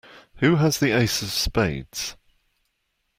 Who has the ace of spades?